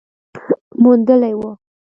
موندلې وه